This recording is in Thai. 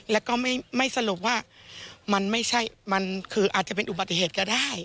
แล้วก็ไม่สรุปว่ามันไม่ใช่มันคืออาจจะเป็นอุบัติเหตุก็ได้